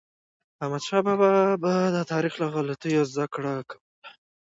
احمدشاه بابا به د تاریخ له غلطیو زدهکړه کوله.